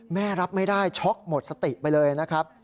รับไม่ได้ช็อกหมดสติไปเลยนะครับ